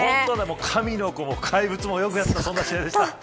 神の子も怪物もよくやった、そんな試合でした。